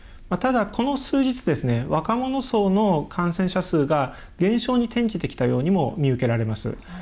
ただ、この数日若者層の感染者数が減少に転じてきたようにも見受けられます。